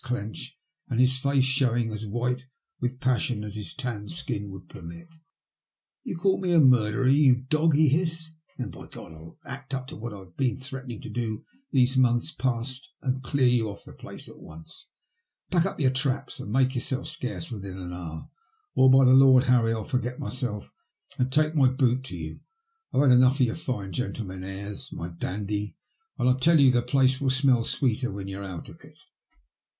11 clenched and bis face showing as white with passion as his tanned skin would permit. " You call me a murderer, you dog ?" he hissed. " Then, by God, I'll act up to what I've been threat ening to do these months past and clear you off the place at once. Pack up your traps and make yourself scarce within an hour, or, by the Lord Harry, I'll forget myself and take my boot to you. I've had enough of your fine gentleman airs, my dandy, and I tell you the place will smell sweeter when you're out of it."